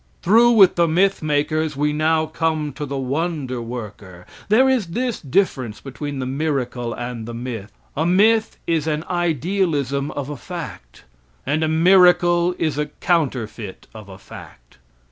Through with the myth makers, we now come to the wonder worker. There is this difference between the miracle and the myth a myth is an idealism of a fact, and a miracle is a counterfeit of a fact.